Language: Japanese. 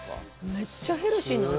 めっちゃヘルシーな味。